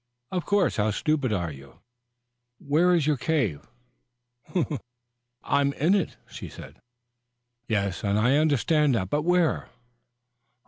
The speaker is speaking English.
"Of course. How stupid you are!" "Where is your cave?" "I'm in it." "Yes, I understand that, but where?"